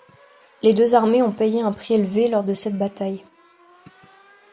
Les deux armées ont payé un prix élevé lors de cette bataille.